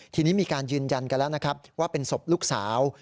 ทีนี้มีการยืนยันกันแล้วนะครับว่าเป็นศพลูกสาว